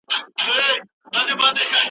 ایا ته په خپلو خبرو کي بې طرفه یې؟